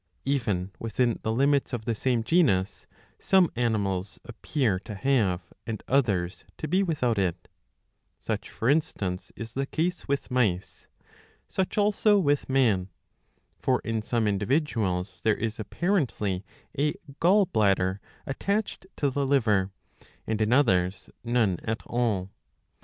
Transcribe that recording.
Even within the limits of the same genus, some animals appear to have and others to be without it.^ Such for instance is the case with mice ; such also with man. For in some individuals there is apparently a gall bladder attached to the liver, and in others none at all.